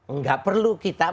enggak perlu kita